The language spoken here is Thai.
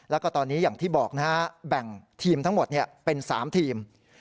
แล้วก็ตอนนี้อย่างที่บอกนะฮะแบ่งทีมทั้งหมดเป็น๓ทีม